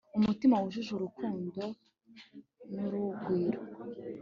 umutima wuje urukundo n'urugwiro